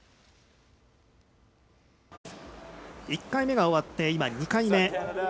１回目が終わって２回目。